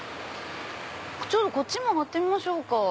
こっち曲がってみましょうか。